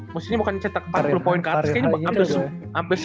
maksudnya bukan cetak empat puluh poin ke atas kayaknya